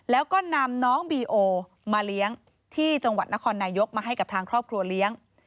แล้วก็นำน้องบีโอมาเลี้ยงที่จังหวัดนครนายกมาให้กับทางครอบครัวเลี้ยง